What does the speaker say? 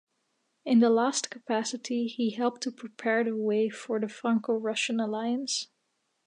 In the last capacity, he helped to prepare the way for the Franco-Russian Alliance.